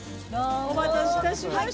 お待たせいたしました。